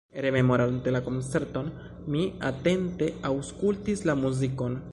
Rememorante la koncerton, mi atente aŭskultis la muzikon.